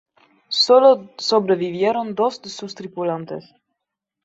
Sólo sobrevivieron dos de sus tripulantes.